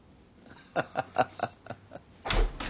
ハハハハハ。